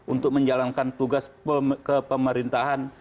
untuk menjalankan tugas ke pemerintahan